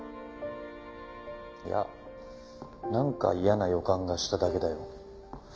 いやなんか嫌な予感がしただけだよ。